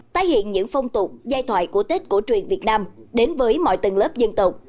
tái hiện những phong tục giai thoại của tết cổ truyền việt nam đến với mọi tầng lớp dân tộc